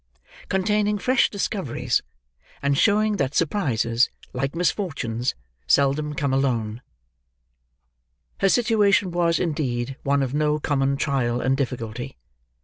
CONTAINING FRESH DISCOVERIES, AND SHOWING THAT SUPRISES, LIKE MISFORTUNES, SELDOM COME ALONE Her situation was, indeed, one of no common trial and difficulty.